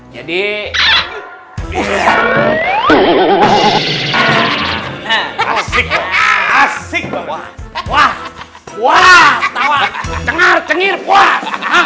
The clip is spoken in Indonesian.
jadi asik asik wah wah wah cengar cengir puas